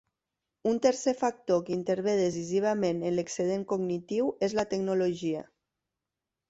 Un tercer factor que intervé decisivament en l'excedent cognitiu és la tecnologia.